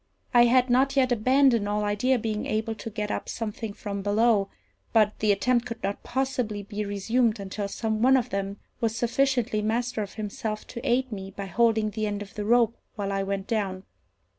I had not yet abandoned all idea of being able to get up something from below; but the attempt could not possibly be resumed until some one of them was sufficiently master of himself to aid me by holding the end of the rope while I went down.